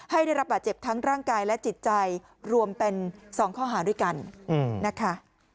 ได้รับบาดเจ็บทั้งร่างกายและจิตใจรวมเป็น๒ข้อหาด้วยกันนะคะ